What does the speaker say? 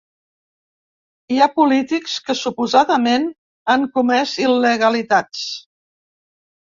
Hi ha polítics que suposadament han comès il·legalitats.